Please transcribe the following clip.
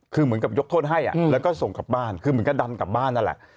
คือเหมือนกับยกโทษให้แล้วก็ส่งกลับบ้านคือเหมือนก็ดันกลับบ้านนั่นแหละ